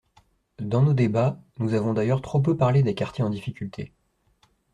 Dans nos débats, nous avons d’ailleurs trop peu parlé des quartiers en difficulté.